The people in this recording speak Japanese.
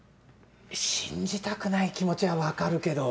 信じたくない気持ちは分かるけど。